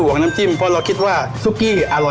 เรามาปรับสูตร